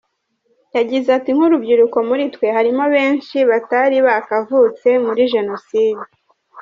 Yagize ati ”Nk’urubyiruko muri twe harimo benshi batari bakavutse muri Jenoside.